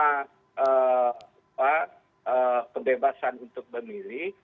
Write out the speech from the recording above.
kemudian ada kebebasan untuk memilih